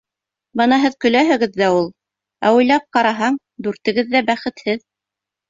Бына һеҙ көләһегеҙ ҙә ул. Ә уйлап ҡараһаң, дүртегеҙ ҙә бәхетһеҙ.